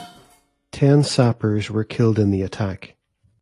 Ten Sappers were killed in the attack.